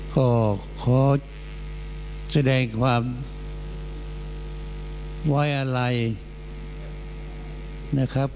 ก็ขอแสดงความไว้อะไรนะครับ